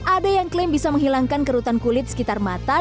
ada yang klaim bisa menghilangkan kerutan kulit di sekitar mata